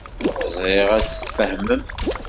Ẓriɣ ad tt-tfehmem.